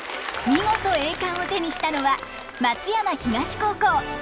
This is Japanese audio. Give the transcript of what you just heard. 見事栄冠を手にしたのは松山東高校。